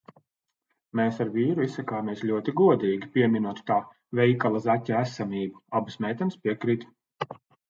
Mēs ar vīru izsakāmies ļoti godīgi, pieminot tā veikala zaķa esamību. Abas meitenes piekrīt.